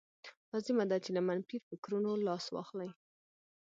لازمه ده چې له منفي فکرونو لاس واخلئ.